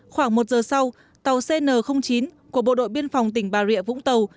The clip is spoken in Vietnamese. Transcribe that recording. khoảng một giờ sau tàu cn chín của bộ đội biên phòng tỉnh bà rịa vũng tàu